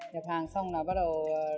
nhập hàng xong là bắt đầu làm những gì